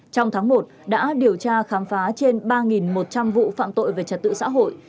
trong tháng một đã điều tra khám phá trên ba một trăm linh vụ phạm tội về trật tự xã hội